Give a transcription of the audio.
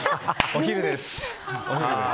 お昼です！